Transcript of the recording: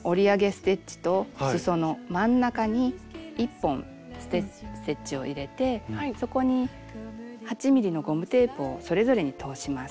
ステッチとすその真ん中に１本ステッチを入れてそこに８ｍｍのゴムテープをそれぞれに通します。